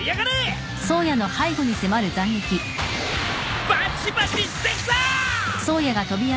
バチバチしてきた！